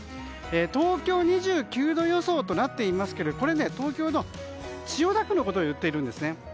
東京２９度予想となっていますがこれは東京の千代田区のことを言っているんですね。